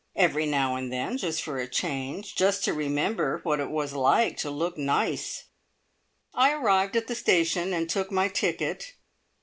Every now and then just for a change just to remember what it was like to look nice! I arrived at the station and took my ticket.